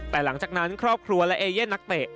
แต่หลังจากนั้นครอบครัวและเอเย่นนักเตะ